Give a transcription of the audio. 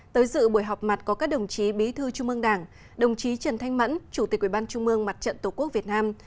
tới dự buổi họp mặt có các đồng chí bí thư trung mương đảng đồng chí trần thanh mẫn chủ tịch ủy ban trung mương mặt trận tổ quốc việt nam